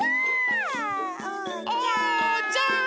おうちゃん！